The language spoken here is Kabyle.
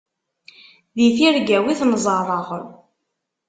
Di tirga-w i ten-ẓerreɣ.